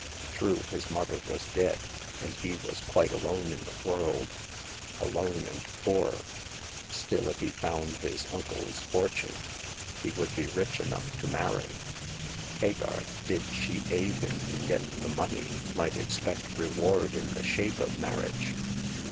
True, his mother was dead, and he was quite alone in the world — alone and poor. Still, if he found his uncle's fortune, he would be rich enough to marry. Hagar, did she aid him to get the money, might expect reward in the shape of marriage.